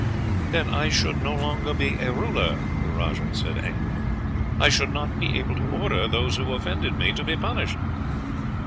"Then I should no longer be a ruler," the rajah said angrily. "I should not be able to order those who offended me to be punished."